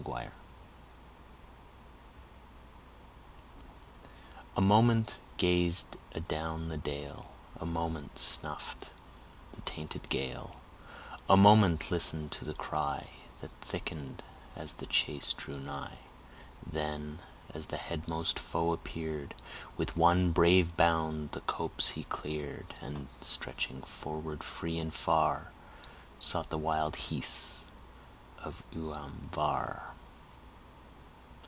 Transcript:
CHAPTER IX. A moment gazed adown the dale, A moment snuffed the tainted gale, A moment listened to the cry, That thickened as the chase drew nigh; Then, as the headmost foe appeared, With one brave bound the copse he cleared, And, stretching forward free and far, Sought the wild heaths of Uam Var.